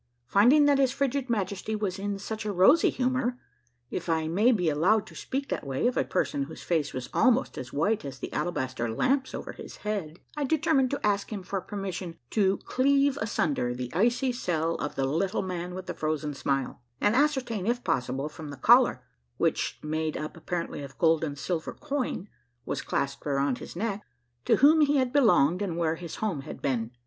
Finding that his frigid Majesty was in such a rosy humor, if I may be allowed to speak that way of a person whose face was almost as white as the alabaster lamps over his head, I determined to ask him for permission to cleave asunder the icy cell of the Little Man with the Frozen Smile, and ascertain if possible from the collar, which, made up appar ently of gold and silver coin was clasped around his neck, to whom he had belonged and where his home had been.